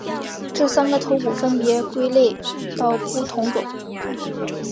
这三个头骨分别归类到不同种。